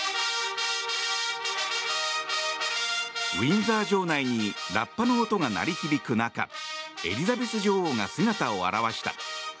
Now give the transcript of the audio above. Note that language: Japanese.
ウィンザー城内にラッパの音が鳴り響く中エリザベス女王が姿を現した。